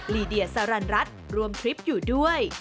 ลีเดียสารันรัฐรวมทริปอยู่ด้วย